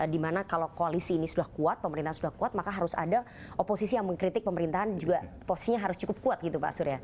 dimana kalau koalisi ini sudah kuat pemerintahan sudah kuat maka harus ada oposisi yang mengkritik pemerintahan juga posisinya harus cukup kuat gitu pak surya